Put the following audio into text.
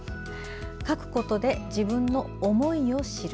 「書くことで自分のおもいを知る」。